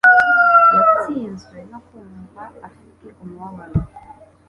Yatsinzwe no kumva afite umubabaro.